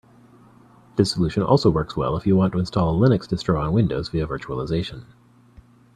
This solution also works well if you want to install a Linux distro on Windows via virtualization.